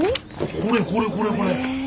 これこれこれこれ。